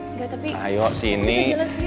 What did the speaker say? enggak tapi aku bisa jalan sendiri kok